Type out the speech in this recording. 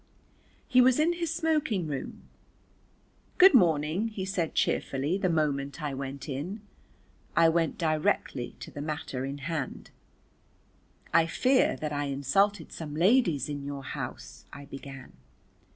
He was in his smoking room. "Good morning," he said cheerfully the moment I went in. I went directly to the matter in hand. "I fear that I insulted some ladies in your house " I began.